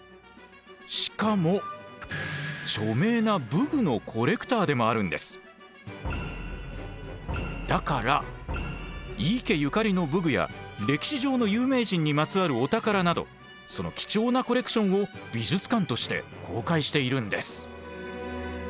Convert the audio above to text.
しかも著名なだから井伊家ゆかりの武具や歴史上の有名人にまつわるお宝などその貴重なコレクションを美術館として公開しているんです。